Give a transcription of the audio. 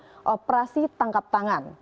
apalagi terjadi operasi tangkap tangan